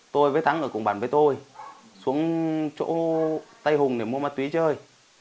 tôi với thắng ở cùng bản với tôi xuống chỗ tây hùng để mua ma túy chơi